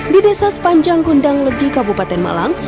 di desa sepanjang kundang legi kabupaten malang